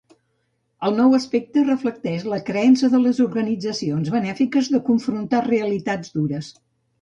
El nou aspecte reflecteix la creença de les organitzacions benèfiques de confrontar "realitats dures".